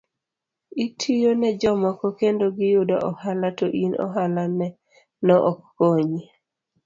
Itiyo ne jomoko kendo giyudo ohala to in ohala no ok konyi.